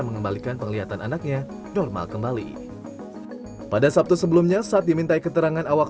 mengembalikan penglihatan anaknya normal kembali pada sabtu sebelumnya saat dimintai keterangan awak